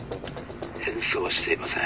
「変装はしていません」。